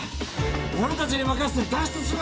俺達に任せて脱出しろ！